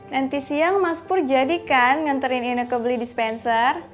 nanti siang mas pur jadi kan nganterin ineko beli dispenser